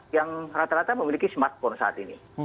yang rata rata memiliki smartphone saat ini